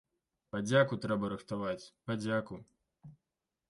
Падзяку трэба рыхтаваць, падзяку.